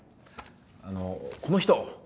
あのこの人